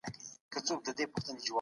احساس له فرهنګه لوړ دی.